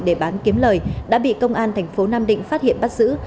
để bán kiếm lời đã bị công an thành phố nam định phát hiện bắt giữ